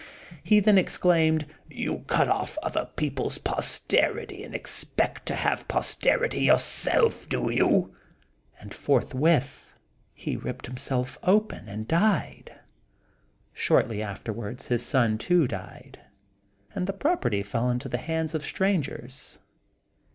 He then exclaimed, "You cut off other people's posterity and expect to have posterity yourself, do you?" and forthwith he ripped himself open and died. Shortly afterwards his son, too, died, and the property fell into the hands of strangers.